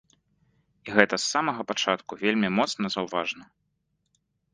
І гэта з самага пачатку вельмі моцна заўважна.